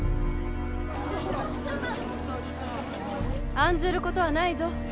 案ずることはないぞ。